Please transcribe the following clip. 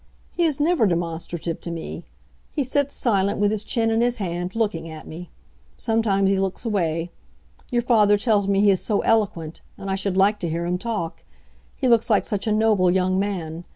"He is never demonstrative to me. He sits silent, with his chin in his hand, looking at me. Sometimes he looks away. Your father tells me he is so eloquent; and I should like to hear him talk. He looks like such a noble young man.